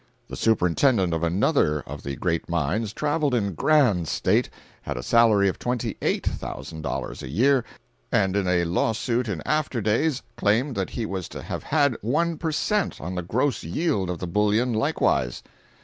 The superintendent of another of the great mines traveled in grand state, had a salary of twenty eight thousand dollars a year, and in a law suit in after days claimed that he was to have had one per cent. on the gross yield of the bullion likewise.